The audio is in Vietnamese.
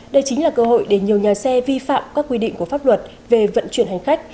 đây chính là cơ hội để nhiều nhà xe vi phạm các quy định của pháp luật về vận chuyển hành khách